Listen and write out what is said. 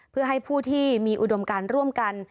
เพื่อให้ผู้ที่มีอุดมการร่วมกัน